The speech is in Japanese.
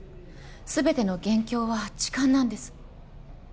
全ての元凶は痴漢なんです